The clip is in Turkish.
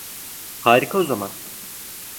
Harika o zaman.